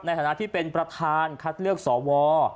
ในฐานะที่เป็นประธานคัดเลือกสว